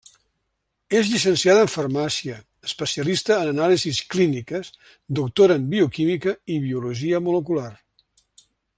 És llicenciada en Farmàcia, especialista en anàlisis clíniques, doctora en bioquímica i biologia molecular.